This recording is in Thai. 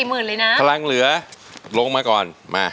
เวลาเหลือลงมาก่อน